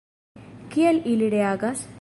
Kiel ili reagas?